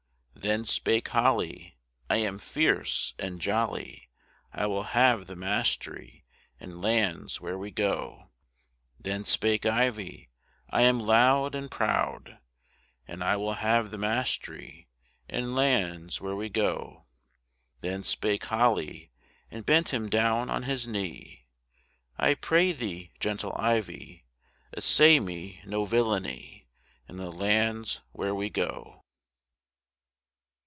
Then spake Holly, "I am fierce and jolly, I will have the mastery In lands where we go." Then spake Ivy, "I am loud and proud, And I will have the mastery In lands where we go." Then spake Holly, and bent him down on his knee, "I pray thee, gentle Ivy, Essay me no villany In the lands where we go."